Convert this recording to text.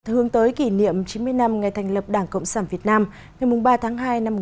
hướng tới kỷ niệm chín mươi năm ngày thành lập đảng cộng sản việt nam ngày ba tháng hai năm một nghìn chín trăm năm mươi